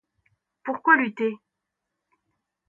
Pourquoi lutter?